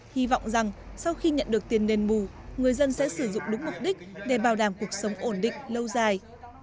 hy vọng rằng sau khi nhận được tiền đền bù người dân sẽ sử dụng đúng mục đích để bảo đảm cuộc sống ổn định lâu dài